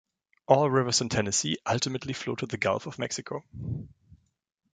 All rivers in Tennessee ultimately flow to the Gulf of Mexico.